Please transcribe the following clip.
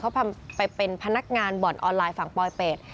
เขาไปเป็นพนักงานบ่อนออนไลน์ฝั่งปลอยเป็ด